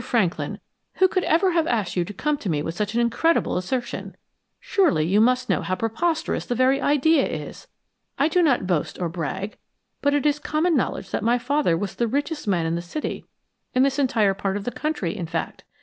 Franklin, who could ever have asked you to come to me with such an incredible assertion? Surely, you must know how preposterous the very idea is! I do not boast or brag, but it is common knowledge that my father was the richest man in the city, in this entire part of the country, in fact.